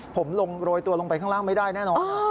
ผมลงโรยตัวลงไปข้างล่างไม่ได้แน่นอน